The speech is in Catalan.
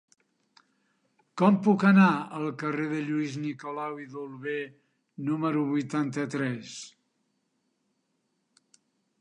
Com puc anar al carrer de Lluís Nicolau i d'Olwer número vuitanta-tres?